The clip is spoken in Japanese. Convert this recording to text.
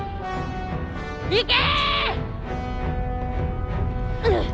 行け！